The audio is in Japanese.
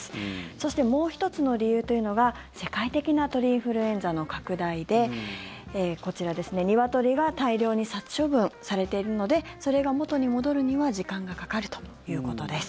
そしてもう１つの理由というのが世界的な鳥インフルエンザの拡大でこちら、ニワトリが大量に殺処分されているのでそれが元に戻るには時間がかかるということです。